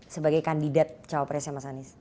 sebagai kandidat cawapresnya mas anies